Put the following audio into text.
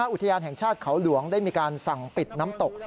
อุทยานแห่งชาติเขาหลวงได้มีการสั่งปิดน้ำตก